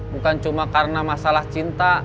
bukan cuma karena masalah cinta